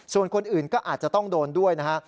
ส่วนคนอื่นก็อาจจะต้องโดนด้วยนะฮะ